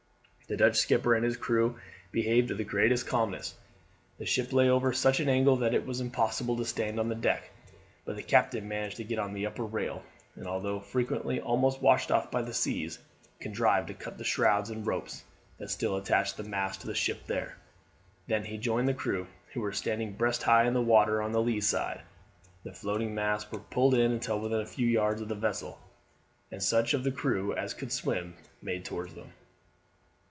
The Dutch skipper and his crew behaved with the greatest calmness; the ship lay over at such an angle that it was impossible to stand on the deck; but the captain managed to get on the upper rail, and although frequently almost washed off by the seas, contrived to cut the shrouds and ropes that still attached the masts to the ship there. Then he joined the crew, who were standing breast high in the water on the lee side, the floating masts were pulled in until within a few yards of the vessel, and such of the crew as could swim made towards them.